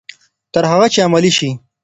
تر هغه چې عملي شي.